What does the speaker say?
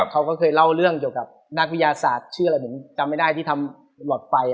เขาก็เคยเล่าเรื่องเกี่ยวกับนักวิทยาศาสตร์ชื่ออะไรผมจำไม่ได้ที่ทำหลอดไฟ